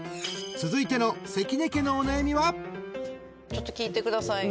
［続いての］ちょっと聞いてください。